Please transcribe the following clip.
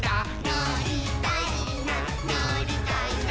「のりたいなのりたいな」